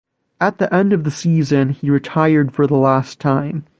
At the end of the season he retired for the last time.